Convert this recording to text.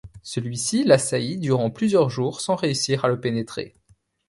Celui-ci l'assaillit durant plusieurs jours sans réussir à le pénétrer.